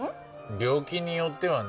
病気によってはね。